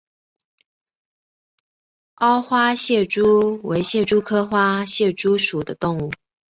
凹花蟹蛛为蟹蛛科花蟹蛛属的动物。